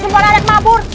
semua lariak mabur